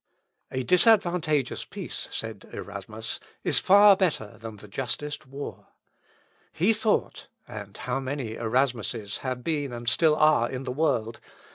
"A disadvantageous peace," said Erasmus, "is far better than the justest war." He thought (and how many Erasmuses have been and still are in the world?)